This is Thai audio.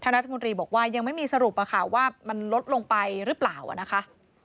เท่านักธรรมดิบอกว่ายังไม่มีสรุปอ่ะค่ะว่ามันลดลงไปหรือเปล่าอ่ะนะคะ